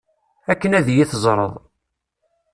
Akken ad iyi-teẓreḍ.